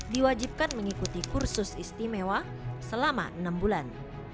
diwajibkan mengikuti kursus istimewa selama enam bulan